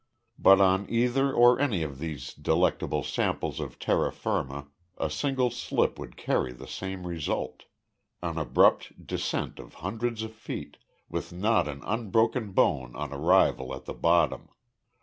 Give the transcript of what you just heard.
But on either or any of these delectable samples of terra firma a single slip would carry the same result an abrupt descent of hundreds of feet, with not an unbroken bone on arrival at the bottom.